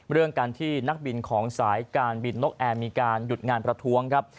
เรื่องการที่นักบินของสายการบินนกแอร์มีการหยุดงานประท้วงครับ